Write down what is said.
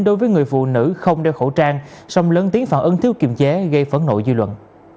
đối với người phụ nữ không đeo khẩu trang xong lớn tiếng phản ứng thiếu kiềm chế gây phấn nội dư luận